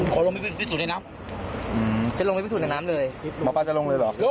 ควรลงไปไปดูสิหน้านั้น